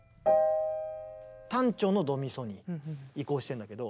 短調のドミソに移行してんだけど。